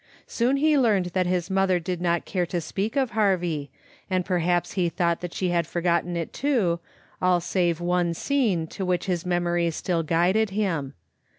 Soon he learned that his mother did not care to speak of Harvie, and perhaps he thought that she had forgotten it too, all save one scene to which his memory still guided him.